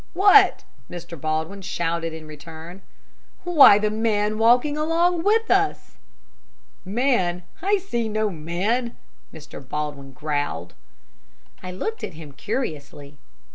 what?" Mr. Baldwin shouted in return. "Why, the man walking along with us!" "Man! I can see no man!" Mr. Baldwin growled. I looked at him curiously.